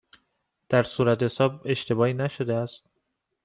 در صورتحساب اشتباهی نشده است؟